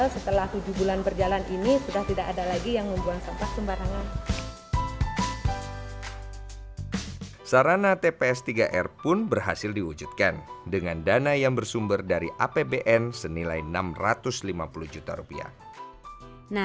sekarang setelah tujuh bulan berjalan ini sudah tidak ada lagi yang membuang sampah di barangan